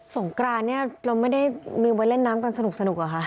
งกรานเนี่ยเราไม่ได้มีไว้เล่นน้ำกันสนุกเหรอคะ